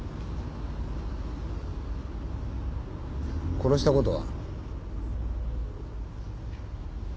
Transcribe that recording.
殺したことは？